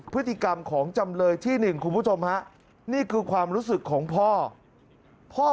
พฤติกรรมของจำเลยที่หนึ่งคุณผู้ชมฮะนี่คือความรู้สึกของพ่อพ่อ